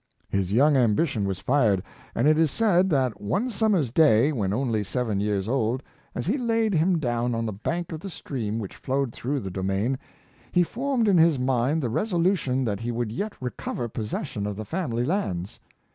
His young ambition was fired, and it is said that one summer's day, when only seven years old, as he laid him down on the bank of the stream which flowed through the domain, he formed in his mind the resolution that he would yet recover posses sion of the family lands.